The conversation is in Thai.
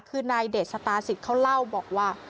คือนายเดชตาสิทธิ์เขาเล่าบอกว่า